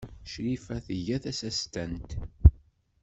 Crifa tga tasestant.